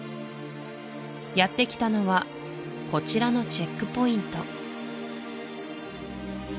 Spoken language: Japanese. やってきたのはこちらのチェックポイント